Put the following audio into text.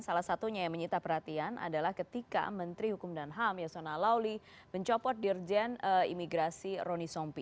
salah satunya yang menyita perhatian adalah ketika menteri hukum dan ham yasona lawli mencopot dirjen imigrasi roni sompi